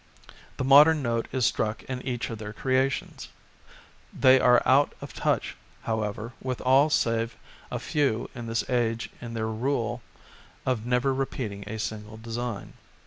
The modem note is struck in each of their creations. They are out of touch, however, with all save a few in this age in their rule of never repeating a single design.